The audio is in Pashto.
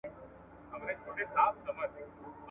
په اتلس سوه یو شپېته ميلادي کال کي